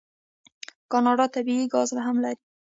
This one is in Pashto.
کاناډا طبیعي ګاز هم لري.